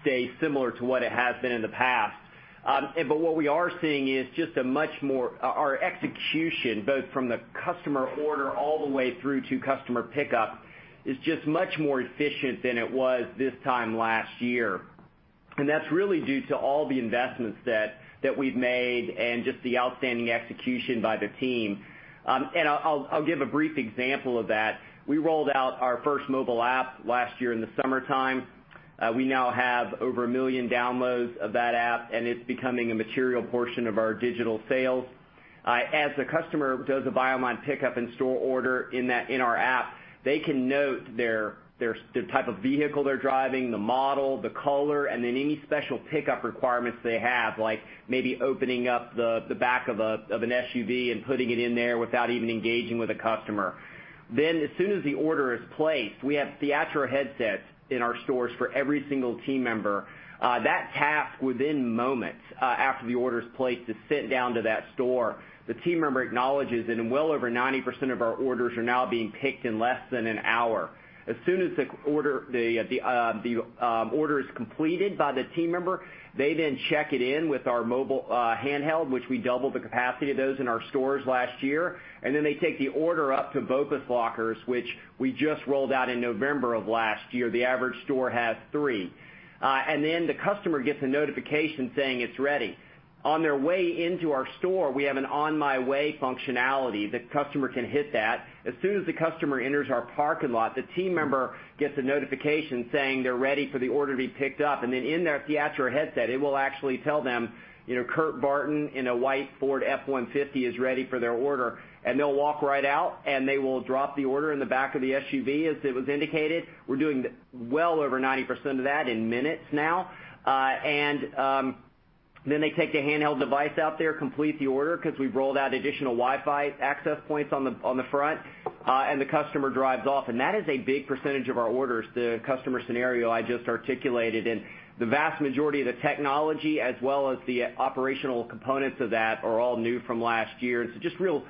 stay similar to what it has been in the past. What we are seeing is our execution, both from the customer order all the way through to customer pickup, is just much more efficient than it was this time last year. That's really due to all the investments that we've made and just the outstanding execution by the team. I'll give a brief example of that. We rolled out our first mobile app last year in the summertime. We now have over 1 million downloads of that app, and it's becoming a material portion of our digital sales. As the customer does a BOPUS order in our app, they can note the type of vehicle they're driving, the model, the color, and then any special pickup requirements they have, like maybe opening up the back of an SUV and putting it in there without even engaging with a customer. As soon as the order is placed, we have Theatro headsets in our stores for every single team member. That task, within moments after the order's placed, is sent down to that store. The team member acknowledges. Well over 90% of our orders are now being picked in less than an hour. As soon as the order is completed by the team member, they then check it in with our mobile handheld, which we doubled the capacity of those in our stores last year. They take the order up to BOPUS lockers, which we just rolled out in November of last year. The average store has three. The customer gets a notification saying it's ready. On their way into our store, we have an On My Way functionality. The customer can hit that. As soon as the customer enters our parking lot, the team member gets a notification saying they're ready for the order to be picked up. Then in their Theatro headset, it will actually tell them, "Kurt Barton in a white Ford F-150 is ready for their order." They'll walk right out, and they will drop the order in the back of the SUV, as it was indicated. We're doing well over 90% of that in minutes now. Then they take the handheld device out there, complete the order, because we've rolled out additional Wi-Fi access points on the front, and the customer drives off. That is a big percentage of our orders, the customer scenario I just articulated. The vast majority of the technology, as well as the operational components of that, are all new from last year. So just real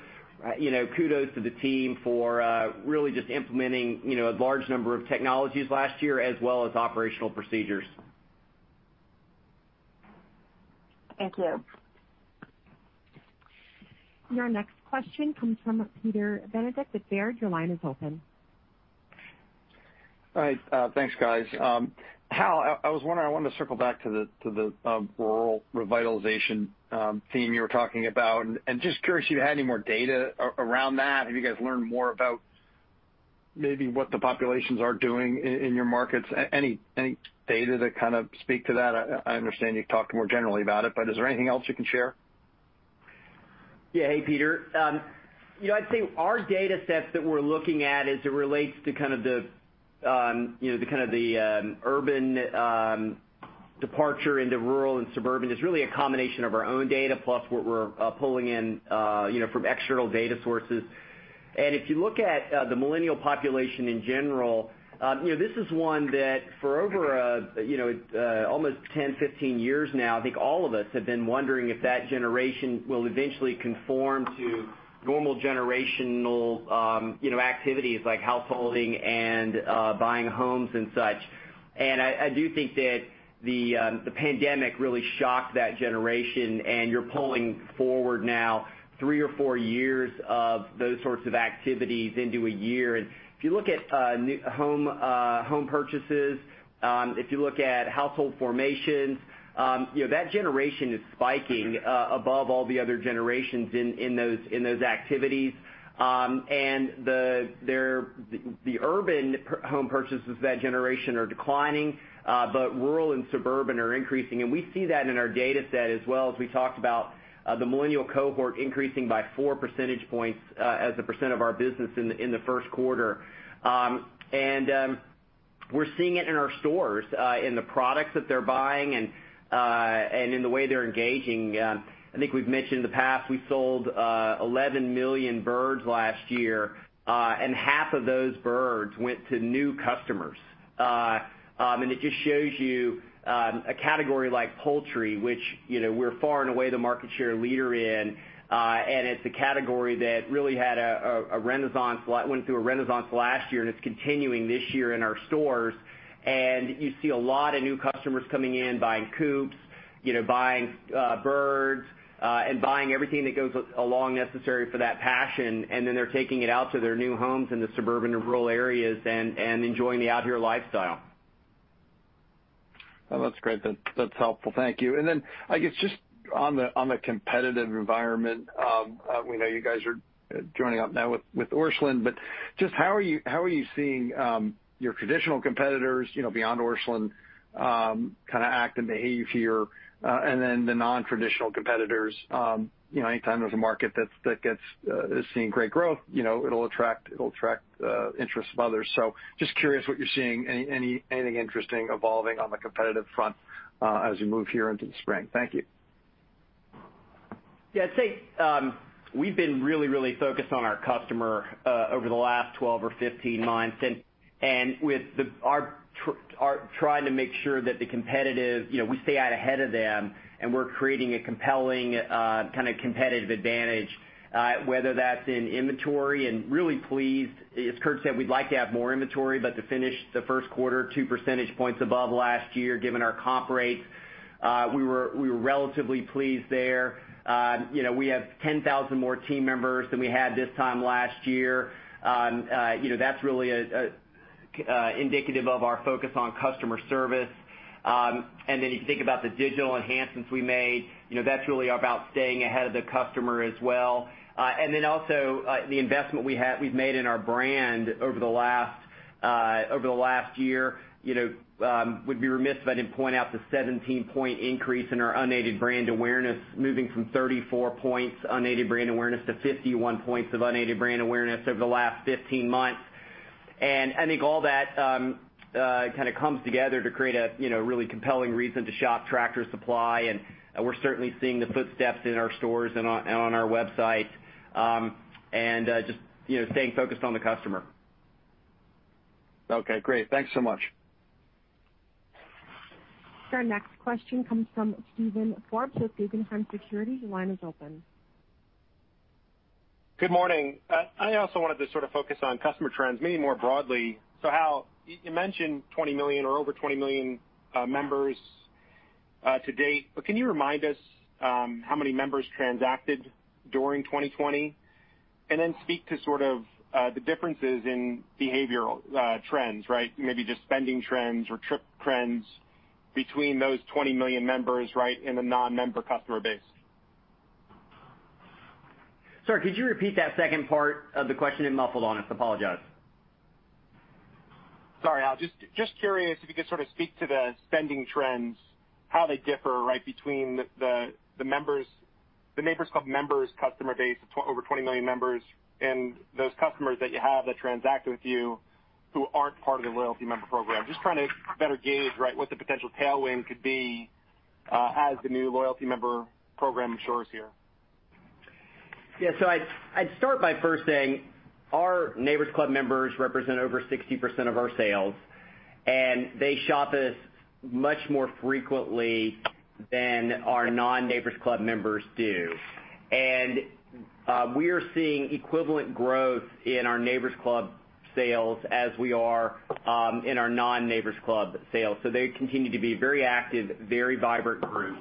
kudos to the team for really just implementing a large number of technologies last year, as well as operational procedures. Thank you. Your next question comes from Peter Benedict at Baird. Your line is open. All right. Thanks, guys. Hal, I was wondering, I wanted to circle back to the rural revitalization theme you were talking about, and just curious if you had any more data around that. Have you guys learned more about maybe what the populations are doing in your markets? Any data to kind of speak to that? I understand you've talked more generally about it, but is there anything else you can share? Yeah. Hey, Peter. I'd say our data sets that we're looking at as it relates to the urban departure into rural and suburban is really a combination of our own data plus what we're pulling in from external data sources. If you look at the millennial population in general, this is one that for over almost 10, 15 years now, I think all of us have been wondering if that generation will eventually conform to normal generational activities like householding and buying homes and such. I do think that the pandemic really shocked that generation, and you're pulling forward now three or four years of those sorts of activities into a year. If you look at home purchases, if you look at household formations, that generation is spiking above all the other generations in those activities. The urban home purchases of that generation are declining, but rural and suburban are increasing. We see that in our data set as well, as we talked about the millennial cohort increasing by four percentage points as a percent of our business in the first quarter. We're seeing it in our stores, in the products that they're buying and in the way they're engaging. I think we've mentioned in the past, we sold 11 million birds last year, and half of those birds went to new customers. It just shows you a category like poultry, which we're far and away the market share leader in, and it's a category that really went through a renaissance last year, and it's continuing this year in our stores. You see a lot of new customers coming in buying coops, buying birds, and buying everything that goes along necessary for that passion. They're taking it out to their new homes in the suburban and rural areas and enjoying the Out Here lifestyle. That's great. That's helpful. Thank you. I guess just on the competitive environment, we know you guys are joining up now with Orscheln, but just how are you seeing your traditional competitors, beyond Orscheln, kind of act and behave here? The non-traditional competitors, anytime there's a market that is seeing great growth, it'll attract the interest of others. Just curious what you're seeing, anything interesting evolving on the competitive front as we move here into the spring. Thank you. I'd say we've been really, really focused on our customer over the last 12 or 15 months with trying to make sure that we stay out ahead of them and we're creating a compelling kind of competitive advantage, whether that's in inventory and really pleased. As Kurt said, we'd like to have more inventory, but to finish the first quarter two percentage points above last year, given our comp rates, we were relatively pleased there. We have 10,000 more team members than we had this time last year. That's really indicative of our focus on customer service. You can think about the digital enhancements we made. That's really about staying ahead of the customer as well. The investment we've made in our brand over the last year. We'd be remiss if I didn't point out the 17 point increase in our unaided brand awareness, moving from 34 points unaided brand awareness to 51 points of unaided brand awareness over the last 15 months. I think all that kind of comes together to create a really compelling reason to shop Tractor Supply and we're certainly seeing the footsteps in our stores and on our website, and just staying focused on the customer. Okay, great. Thanks so much. Our next question comes from Steven Forbes with Guggenheim Securities. Your line is open. Good morning. I also wanted to sort of focus on customer trends, maybe more broadly. Hal, you mentioned 20 million or over 20 million members to date, can you remind us how many members transacted during 2020? Speak to sort of the differences in behavioral trends, right? Maybe just spending trends or trip trends between those 20 million members, right, and the non-member customer base. Sorry, could you repeat that second part of the question? It muffled on us. Apologize. Sorry, Hal. Just curious if you could sort of speak to the spending trends, how they differ, right, between the Neighbor's Club members customer base of over 20 million members and those customers that you have that transact with you who aren't part of the loyalty member program. Just trying to better gauge, right, what the potential tailwind could be, as the new loyalty member program matures here. I'd start by first saying our Neighbor's Club members represent over 60% of our sales, and they shop us much more frequently than our non-Neighbor's Club members do. We are seeing equivalent growth in our Neighbor's Club sales as we are in our non-Neighbor's Club sales. They continue to be a very active, very vibrant group.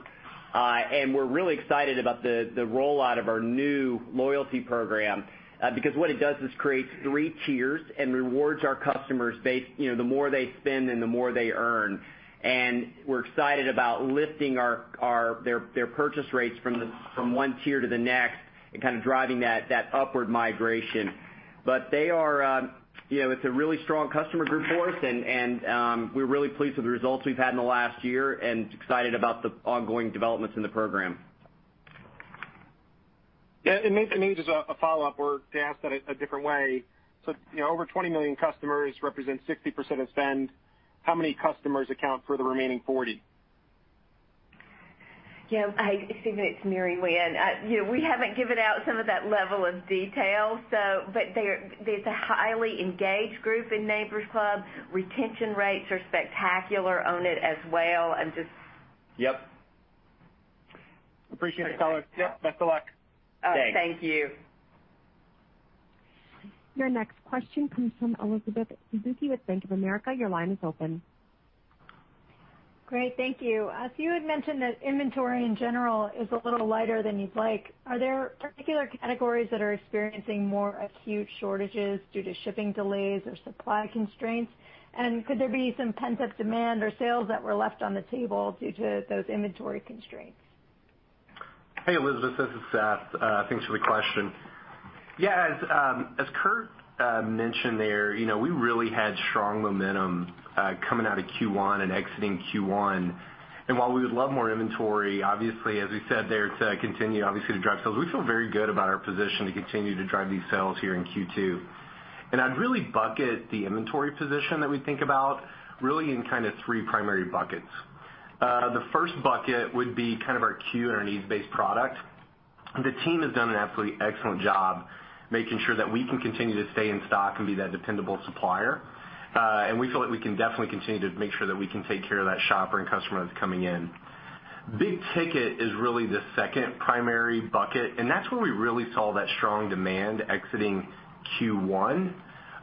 We're really excited about the rollout of our new loyalty program, because what it does is creates three tiers and rewards our customers based, the more they spend and the more they earn. We're excited about lifting their purchase rates from one tier to the next and kind of driving that upward migration. It's a really strong customer group for us, and we're really pleased with the results we've had in the last year and excited about the ongoing developments in the program. Yeah. Maybe just a follow-up, or to ask that a different way. Over 20 million customers represent 60% of spend. How many customers account for the remaining 40%? Yeah. Steven, it's Mary Winn. We haven't given out some of that level of detail. It's a highly engaged group in Neighbor's Club. Retention rates are spectacular on it as well. Yep. Appreciate it, fellas. Yep, best of luck. Thanks. Thank you. Your next question comes from Elizabeth Suzuki with Bank of America. Your line is open. Great. Thank you. You had mentioned that inventory in general is a little lighter than you'd like. Are there particular categories that are experiencing more acute shortages due to shipping delays or supply constraints? Could there be some pent-up demand or sales that were left on the table due to those inventory constraints? Hey, Elizabeth, this is Seth. Thanks for the question. Yeah. As Kurt mentioned there, we really had strong momentum coming out of Q1 and exiting Q1. While we would love more inventory, obviously, as we said there, to continue to drive sales, we feel very good about our position to continue to drive these sales here in Q2. I'd really bucket the inventory position that we think about really in kind of three primary buckets. The first bucket would be kind of our core and our needs-based product. The team has done an absolutely excellent job making sure that we can continue to stay in stock and be that dependable supplier. We feel like we can definitely continue to make sure that we can take care of that shopper and customer that's coming in. Big ticket is really the second primary bucket, and that's where we really saw that strong demand exiting Q1.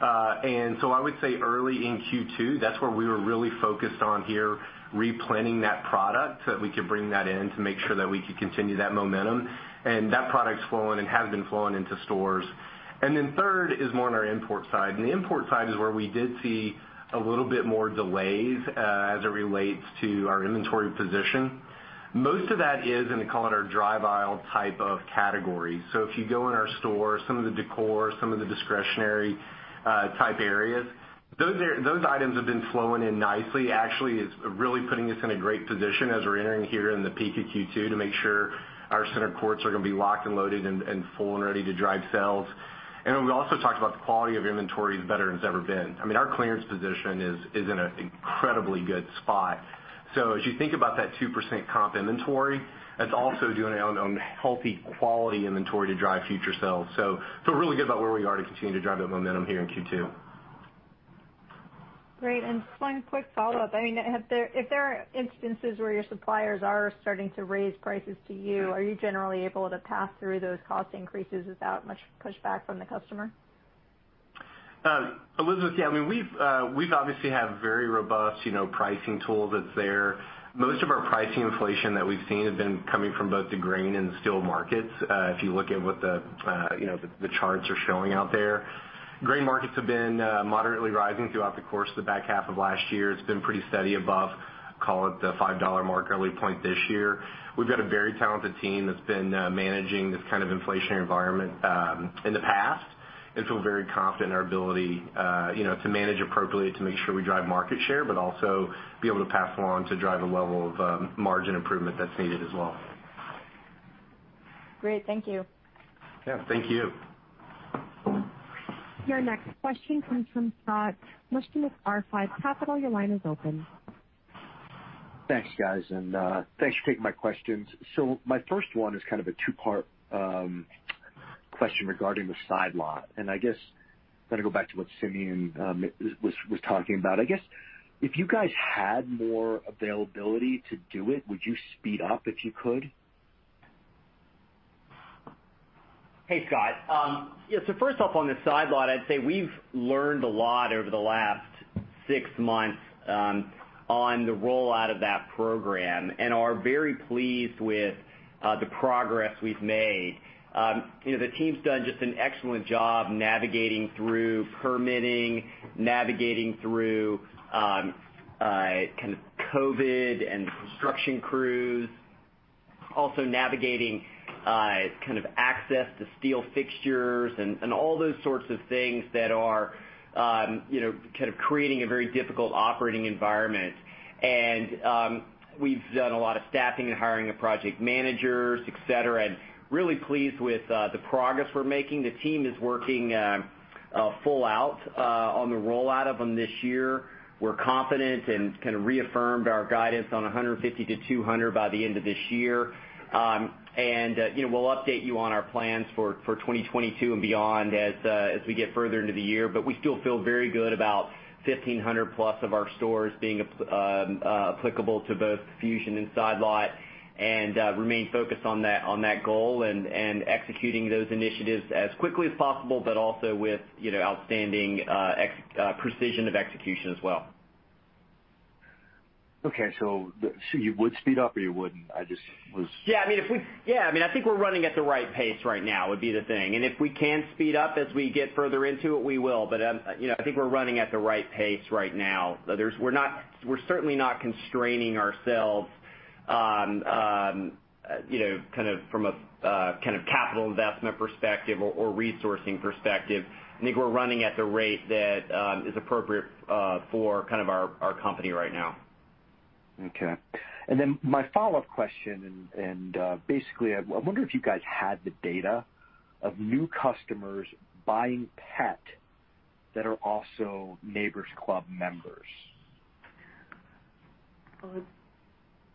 I would say early in Q2, that's where we were really focused on here, replanning that product so that we could bring that in to make sure that we could continue that momentum. That product's flowing and has been flowing into stores. Third is more on our import side. The import side is where we did see a little bit more delays as it relates to our inventory position. Most of that is in, call it, our dry aisle type of categories. If you go in our stores, some of the decor, some of the discretionary type areas, those items have been flowing in nicely. Actually, it's really putting us in a great position as we're entering here in the peak of Q2 to make sure our center courts are going to be locked and loaded and full and ready to drive sales. We also talked about the quality of inventory is better than it's ever been. I mean, our clearance position is in an incredibly good spot. As you think about that 2% comp inventory, that's also doing healthy quality inventory to drive future sales. Feel really good about where we already continue to drive that momentum here in Q2. Great. Just one quick follow-up. If there are instances where your suppliers are starting to raise prices to you, are you generally able to pass through those cost increases without much pushback from the customer? Elizabeth, yeah. I mean, we've obviously have very robust pricing tools that's there. Most of our pricing inflation that we've seen have been coming from both the grain and the steel markets. If you look at what the charts are showing out there. Grain markets have been moderately rising throughout the course of the back half of last year. It's been pretty steady above, call it the $5 mark early point this year. We've got a very talented team that's been managing this kind of inflationary environment in the past and feel very confident in our ability to manage appropriately to make sure we drive market share, but also be able to pass along to drive a level of margin improvement that's needed as well. Great. Thank you. Yeah. Thank you. Your next question comes from Scott Mushkin, R5 Capital, your line is open. Thanks, guys. Thanks for taking my questions. My first one is kind of a two-part question regarding the Side Lot, and I guess I'm going to go back to what Simeon was talking about. I guess if you guys had more availability to do it, would you speed up if you could? Hey, Scott. Yeah. First off, on the Side Lot, I'd say we've learned a lot over the last six months on the rollout of that program and are very pleased with the progress we've made. The team's done just an excellent job navigating through permitting, navigating through COVID-19 and construction crews, also navigating access to steel fixtures and all those sorts of things that are creating a very difficult operating environment. We've done a lot of staffing and hiring of project managers, et cetera, and really pleased with the progress we're making. The team is working full out on the rollout of them this year. We're confident and reaffirmed our guidance on 150 to 200 by the end of this year. We'll update you on our plans for 2022 and beyond as we get further into the year. We still feel very good about 1,500 plus of our stores being applicable to both Fusion and Side Lot, and remain focused on that goal and executing those initiatives as quickly as possible, but also with outstanding precision of execution as well. You would speed up or you wouldn't? Yeah, I think we're running at the right pace right now would be the thing. If we can speed up as we get further into it, we will. I think we're running at the right pace right now. We're certainly not constraining ourselves from a capital investment perspective or resourcing perspective. I think we're running at the rate that is appropriate for our company right now. Okay. My follow-up question, I wonder if you guys had the data of new customers buying pet that are also Neighbor's Club members.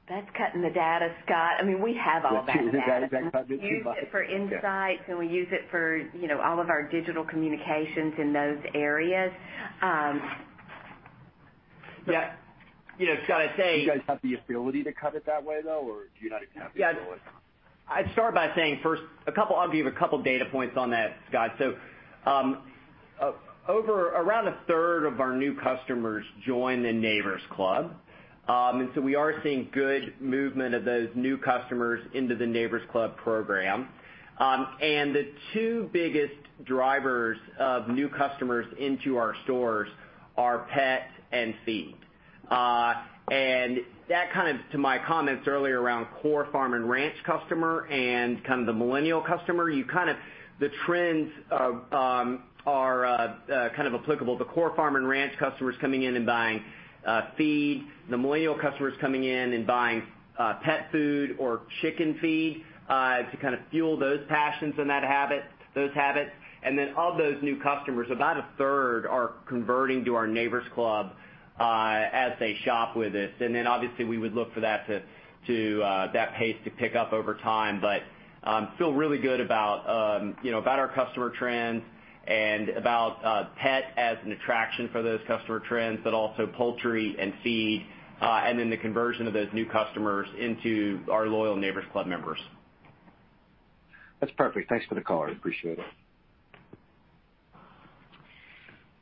That's cutting the data, Scott. We have all that data. Is that project done? We use it for insights, and we use it for all of our digital communications in those areas. Scott, Do you guys have the ability to cut it that way, though? Or do you not even have the ability? I'd start by saying first, I'll give a couple data points on that, Scott. Around a third of our new customers join the Neighbor's Club. We are seeing good movement of those new customers into the Neighbor's Club program. The two biggest drivers of new customers into our stores are pet and feed. That, to my comments earlier around core farm and ranch customer and the millennial customer, the trends are applicable. The core farm and ranch customer's coming in and buying feed. The millennial customer's coming in and buying pet food or chicken feed to fuel those passions and those habits. Of those new customers, about a third are converting to our Neighbor's Club as they shop with us. Obviously, we would look for that pace to pick up over time. Feel really good about our customer trends and about pet as an attraction for those customer trends, but also poultry and feed, and then the conversion of those new customers into our loyal Neighbor's Club members. That's perfect. Thanks for the color. Appreciate it.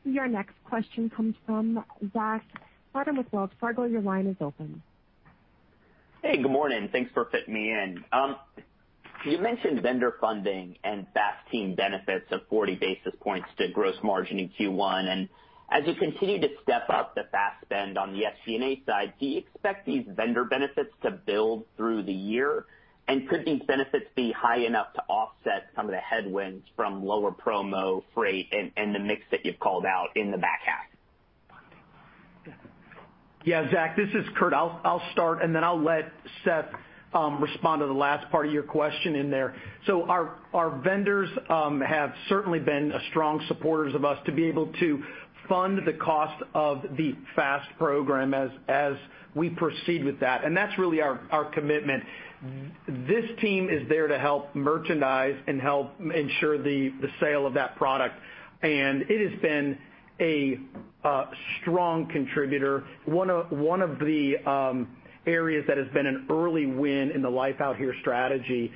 Your next question comes from Zachary Fadem with Wells Fargo. Your line is open. Hey, good morning. Thanks for fitting me in. You mentioned vendor funding and FAST team benefits of 40 basis points to gross margin in Q1. As you continue to step up the FAST spend on the SGA side, do you expect these vendor benefits to build through the year? Could these benefits be high enough to offset some of the headwinds from lower promo, freight, and the mix that you've called out in the back half? Yeah, Zach, this is Kurt. I'll start, and then I'll let Seth respond to the last part of your question in there. Our vendors have certainly been strong supporters of us to be able to fund the cost of the FAST program as we proceed with that. That's really our commitment. This team is there to help merchandise and help ensure the sale of that product. It has been a strong contributor, one of the areas that has been an early win in the Life Out Here strategy.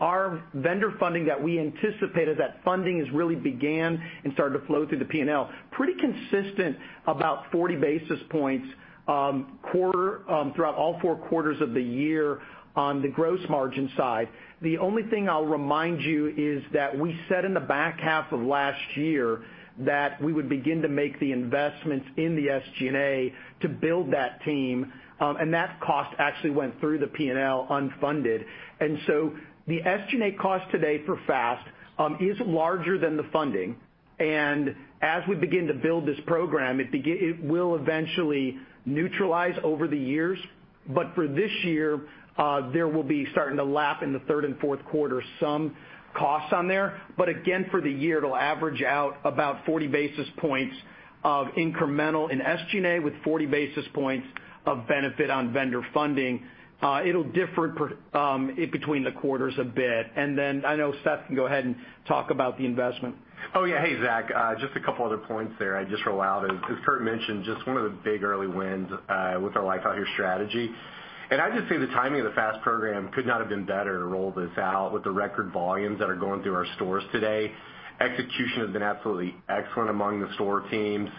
Our vendor funding that we anticipated, that funding has really began and started to flow through the P&L. Pretty consistent, about 40 basis points throughout all four quarters of the year on the gross margin side. The only thing I'll remind you is that we said in the back half of last year that we would begin to make the investments in the SGA to build that team, and that cost actually went through the P&L unfunded. The SGA cost today for FAST is larger than the funding, and as we begin to build this program, it will eventually neutralize over the years. For this year, there will be starting to lap in the third and fourth quarter, some costs on there. Again, for the year, it'll average out about 40 basis points of incremental in SGA with 40 basis points of benefit on vendor funding. It'll differ between the quarters a bit. I know Seth can go ahead and talk about the investment. Oh, yeah. Hey, Zach. Just a couple other points there just for allow. As Kurt mentioned, just one of the big early wins with our Life Out Here strategy. I'd just say the timing of the FAST program could not have been better to roll this out with the record volumes that are going through our stores today. Execution has been absolutely excellent among the store teams.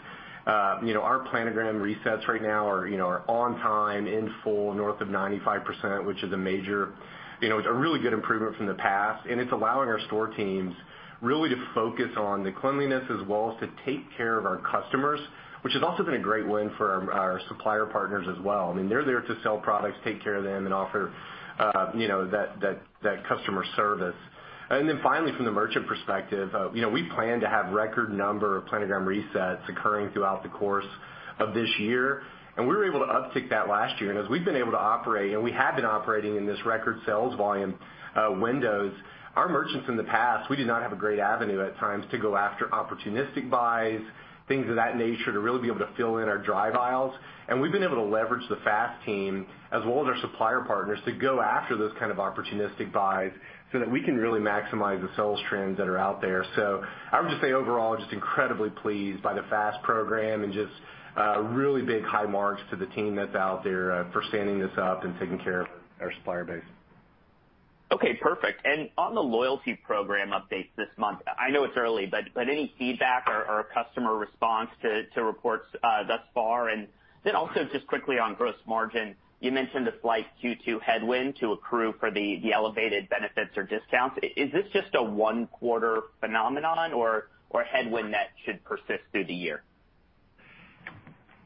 Our planogram resets right now are on time, in full, north of 95%, which is a really good improvement from the past, and it's allowing our store teams really to focus on the cleanliness as well as to take care of our customers, which has also been a great win for our supplier partners as well. They're there to sell products, take care of them, and offer that customer service. Finally, from the merchant perspective, we plan to have record number of planogram resets occurring throughout the course of this year, and we were able to uptick that last year. As we've been able to operate, and we have been operating in this record sales volume windows, our merchants in the past, we did not have a great avenue at times to go after opportunistic buys, things of that nature to really be able to fill in our dry aisles. We've been able to leverage the FAST team as well as our supplier partners to go after those kind of opportunistic buys so that we can really maximize the sales trends that are out there. I would just say overall, just incredibly pleased by the FAST program and just really big high marks to the team that's out there for standing this up and taking care of our supplier base. Okay, perfect. On the loyalty program updates this month, I know it's early, but any feedback or customer response to reports thus far? Also just quickly on gross margin, you mentioned the slight Q2 headwind to accrue for the elevated benefits or discounts. Is this just a one-quarter phenomenon or a headwind that should persist through the year?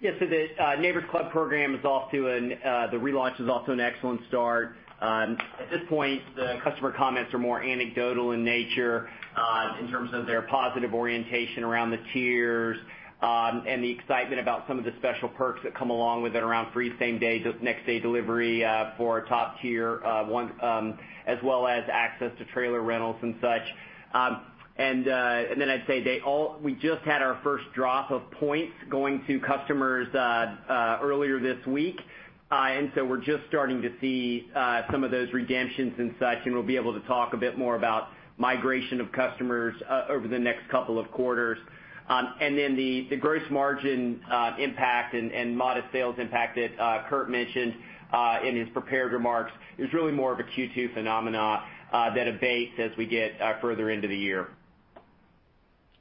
The Neighbor's Club program, the relaunch is off to an excellent start. At this point, the customer comments are more anecdotal in nature in terms of their positive orientation around the tiers and the excitement about some of the special perks that come along with it around free same day, next day delivery for our top tier 1, as well as access to trailer rentals and such. I'd say we just had our first drop of points going to customers earlier this week. We're just starting to see some of those redemptions and such, and we'll be able to talk a bit more about migration of customers over the next couple of quarters. The gross margin impact and modest sales impact that Kurt mentioned in his prepared remarks is really more of a Q2 phenomena that abates as we get further into the year.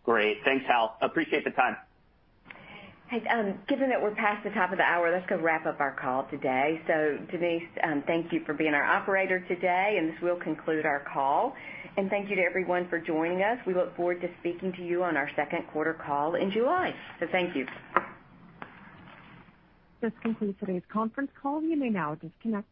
Great. Thanks, Hal. Appreciate the time. Hey, given that we're past the top of the hour, let's go wrap up our call today. Denise, thank you for being our operator today, and this will conclude our call. Thank you to everyone for joining us. We look forward to speaking to you on our second quarter call in July. Thank you. This concludes today's conference call. You may now disconnect.